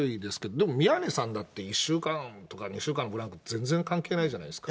でも、宮根さんだって、１週間とか２週間のブランク、全然関係ないじゃないですか。